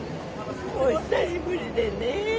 お久しぶりでね。